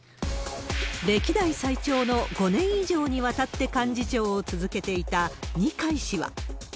歴代最長の５年以上にわたって幹事長を続けていた二階氏は。